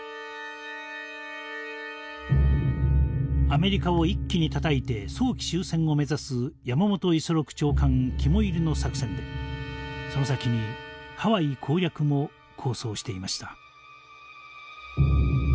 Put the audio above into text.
アメリカを一気にたたいて早期終戦を目指す山本五十六長官肝煎りの作戦でその先にハワイ攻略も構想していました。